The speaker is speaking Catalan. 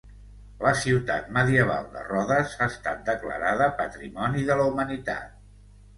La ciutat medieval de Rodes ha estat declarada Patrimoni de la Humanitat.